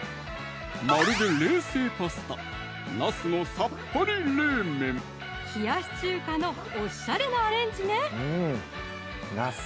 まるで冷製パスタ冷やし中華のおしゃれなアレンジね！